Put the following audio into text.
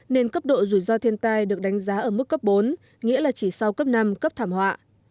nên cấp độ rủi ro thiên tai được đánh giá ở mức cấp bốn nghĩa là chỉ sau cấp năm cấp thảm họa